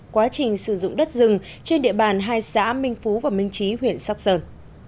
quá trình sử dụng đất rừng trên địa bàn hai xã minh phú và minh trí huyện sóc sơn